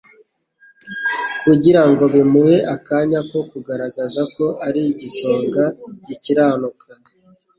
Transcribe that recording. kugira ngo bimuhe akanya ko kugaragaza ko ari igisonga gikiranuka;